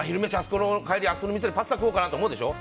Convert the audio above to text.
帰りにあそこの店でパスタ食おうかなと思うでしょ。